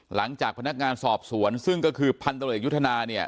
หลังจากพนักงานสอบสวนซึ่งก็คือพันตรวจเอกยุทธนาเนี่ย